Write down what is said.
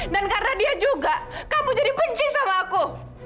dan karena dia juga kamu jadi benci sama aku